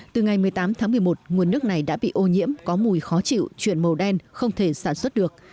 từ ngày một mươi tám tháng một mươi một nguồn nước này đã bị ô nhiễm có mùi khó chịu chuyển màu đen không thể sản xuất được